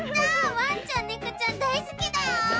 ワンちゃんネコちゃんだいすきだよ！